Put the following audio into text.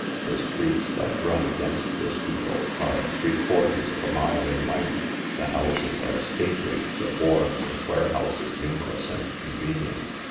The streets that run against the Schuylkill are three quarters of a mile in length; the houses are stately, the wharfs and warehouses numerous and convenient.